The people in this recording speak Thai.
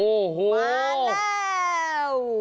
โอ้โหมาแล้ว